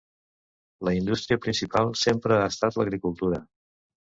La indústria principal sempre ha estat l'agricultura.